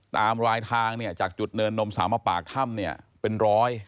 ตามรายทางจากจุดเนินนมสาวมาปากถ้ำเป็นร้อย